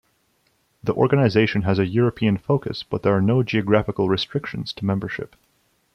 The organisation has a European focus, but there are no geographical restrictions to membership.